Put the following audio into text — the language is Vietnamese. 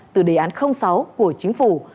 từ đề án sáu của chính phủ